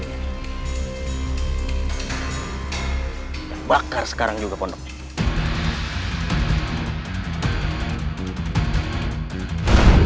kita bakar sekarang juga pondoknya